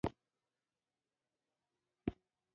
بیا یې پر بهر سیلانیانو پلوري.